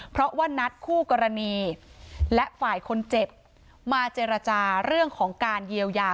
เพราะว่านัดคู่กรณีและฝ่ายคนเจ็บมาเจรจาเรื่องของการเยียวยา